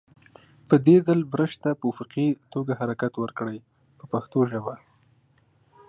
په دې ځل برش ته په افقي توګه حرکت ورکړئ په پښتو ژبه.